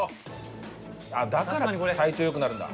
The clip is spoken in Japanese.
だから体調よくなるんだ。